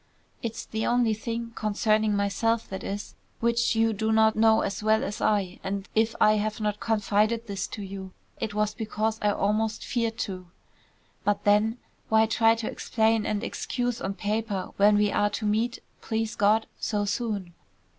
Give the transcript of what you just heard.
It's the only thing, concerning myself that is, which you do not know as well as I, and if I have not confided this to you, it was because I almost feared to. But then, why try to explain and excuse on paper when we are to meet, please God, so soon.